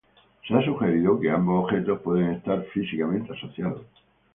Se ha sugerido que ambos objetos pueden estar físicamente asociados.